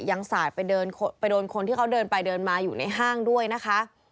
สาดไปเดินไปโดนคนที่เขาเดินไปเดินมาอยู่ในห้างด้วยนะคะ